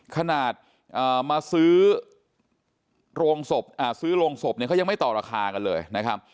ขนาดมาซื้อโรงศพเขายังไม่ต่อราคากันเลยนะครับ